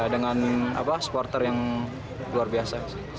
dengan supporter yang luar biasa